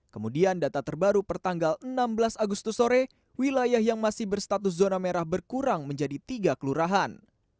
kemudian data terbaru pertanggal enam belas agustus sore wilayah yang masih berstatus zona merah berkurang menjadi tiga kelurahan